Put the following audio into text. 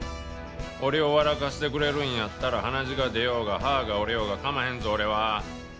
俺を笑かしてくれるんやったら鼻血が出ようが歯が折れようがかまへんぞ俺は。